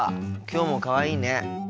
きょうもかわいいね。